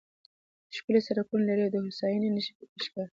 ښکلي سړکونه لري او د هوساینې نښې پکې ښکاري.